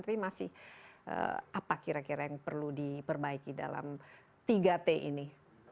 tapi masih apa kira kira yang perlu diperbaiki dalam tiga t ini